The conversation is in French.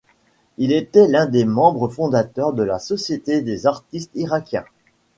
Il était l'un des membres fondateurs de la Société des artistes irakiens.